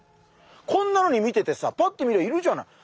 こんなのに見ててさパッと見りゃいるじゃない。